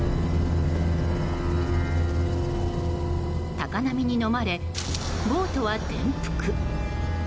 高波にのまれ、ボートは転覆。